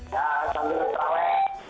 dan sambil di prawe